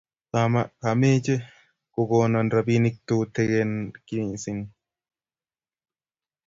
Kameche kukonon robinik tutegen mising